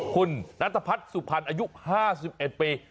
คุณนัทพัฒน์สุพรรณอายุ๕๑ปี